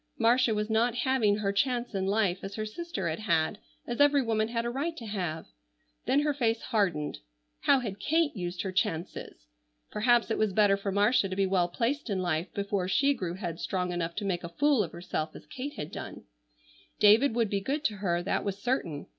Marcia was not having her chance in life as her sister had had, as every woman had a right to have. Then her face hardened. How had Kate used her chances? Perhaps it was better for Marcia to be well placed in life before she grew headstrong enough to make a fool of herself as Kate had done. David would be good to her, that was certain.